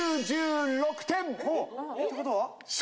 てことは？